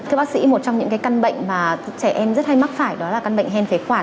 thưa bác sĩ một trong những căn bệnh mà trẻ em rất hay mắc phải đó là căn bệnh hen phế quản